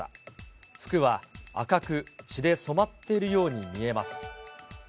服は赤く血で染まっているように見えます。